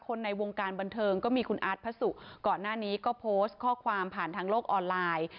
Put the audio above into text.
ในวงการบันเทิงก็มีคุณอาร์ตพระสุก่อนหน้านี้ก็โพสต์ข้อความผ่านทางโลกออนไลน์